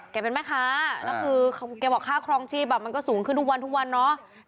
เป็นแม่ค้าแล้วคือแกบอกค่าครองชีพมันก็สูงขึ้นทุกวันทุกวันเนาะ